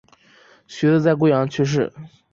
徐的在桂阳去世。